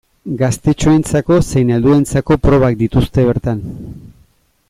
Gaztetxoentzako zein helduentzako probak dituzte bertan.